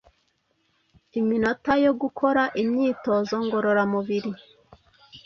iminota yo gukora imyitozo ngorora mubiri